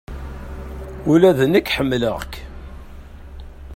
Ula d nekk ḥemmleɣ-k.